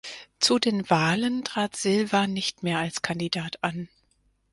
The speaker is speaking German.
Zu den Wahlen trat Silva nicht mehr als Kandidat an.